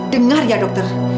dengar ya dokter